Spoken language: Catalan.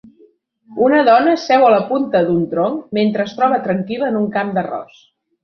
Una dona seu a la punta d'un tronc mentre es troba tranquil·la en un camp d'arròs